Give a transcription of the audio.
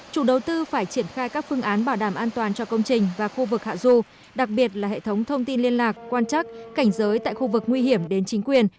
chủ đầu tư phải triển khai các phương án bảo đảm an toàn cho công trình và khu vực hạ du đặc biệt là hệ thống thông tin liên lạc quan chắc cảnh giới tại khu vực nguy hiểm đến chính quyền